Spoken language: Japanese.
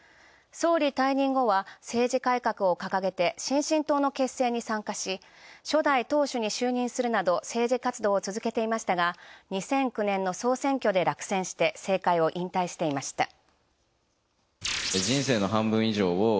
総理退任後あ政治改革を掲げて新進党の結成に参加し、初代党首に就任するなど政治活動を続けていましたが、２００９年の総選挙で落選し政界を引退していました。